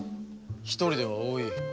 １人では多い。